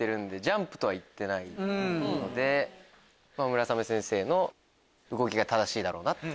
村雨先生の動きが正しいだろうなって。